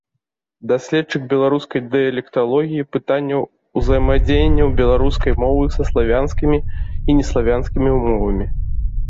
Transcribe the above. Даследчык беларускай дыялекталогіі, пытанняў узаемадзеяння беларускай мовы са славянскімі і неславянскімі мовамі.